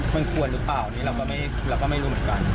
มันควรหรือเปล่าอันนี้เราก็ไม่รู้เหมือนกัน